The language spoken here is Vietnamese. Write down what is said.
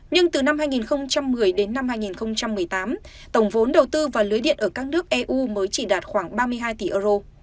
nhưng từ năm hai nghìn một mươi đến năm hai nghìn một mươi tám tổng vốn đầu tư vào lưới điện ở các nước eu mới chỉ đạt khoảng ba mươi hai tỷ euro